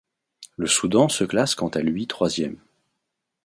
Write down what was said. Le Soudan se classe quant à lui troisième.